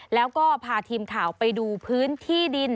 แล้วก็พาทีมข่าวไปดูพื้นที่ดิน